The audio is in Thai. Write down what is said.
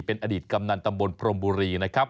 เป็นอดีตกำนันตำบลพรมบุรีนะครับ